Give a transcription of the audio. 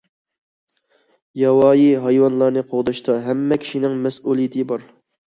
ياۋايى ھايۋانلارنى قوغداشتا ھەممە كىشىنىڭ مەسئۇلىيىتى بار.